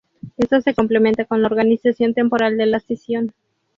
Esto se complementa con la organización temporal de la sesión.